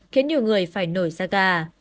khiến nhiều người phải nổi ra gà